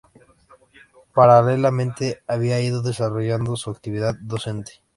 Paralelamente, había ido desarrollando su actividad docente.